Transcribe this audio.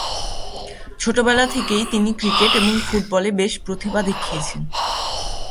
ছোটবেলা থেকেই তিনি ক্রিকেট এবং ফুটবলে বেশ প্রতিভা দেখিয়েছেন।